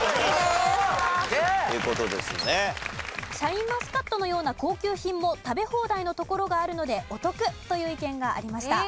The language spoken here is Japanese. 「シャインマスカットのような高級品も食べ放題の所があるのでお得！」という意見がありました。